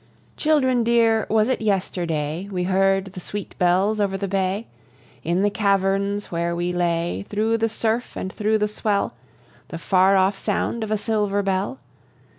Children dear, was it yesterday We heard the sweet bells over the bay? In the caverns where we lay, Through the surf and through the swell, The far off sound of a silver bell?